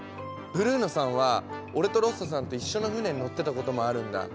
ブルーノさんは俺とロッソさんと一緒の船に乗ってたこともあるんだ。